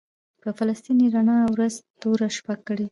په فلسطین یې رڼا ورځ توره شپه کړې ده.